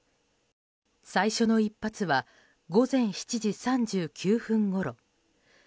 最初の１発は午前７時３９分ごろ。